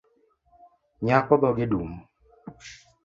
Nyako dhoge dum